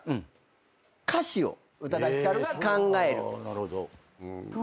なるほど。